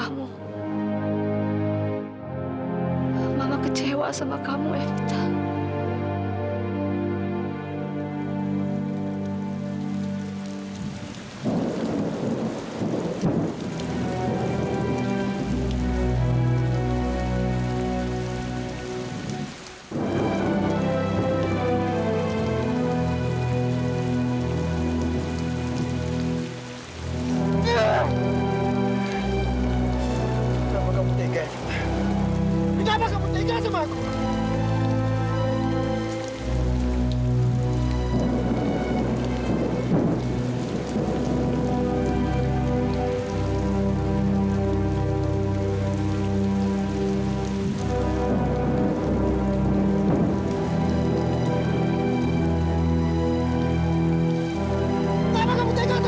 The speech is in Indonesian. mama kamu tinggal semangku